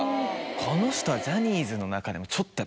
この人は。